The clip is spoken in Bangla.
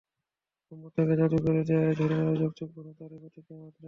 মুহাম্মাদ তাঁকে জাদু করে দেয়া এ ধরনের অযৌক্তিক প্রশ্ন তারই প্রতিক্রিয়া মাত্র।